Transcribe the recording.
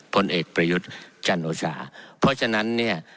พลเอกประยุทธ์จันโอชาเพราะฉะนั้นเนี่ย